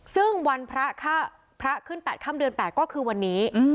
ซึ่งวันพระขึ้น๘ค่ำเดือน๘ก็คือวันนี้